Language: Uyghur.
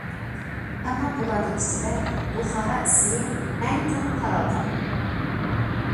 ئەمما بۇلارنىڭ ئىچىدە بۇخارا ئىسمى ئەڭ كەڭ تارالغان.